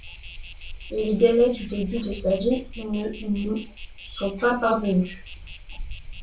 Les détails du début de sa vie ne nous sont pas parvenus.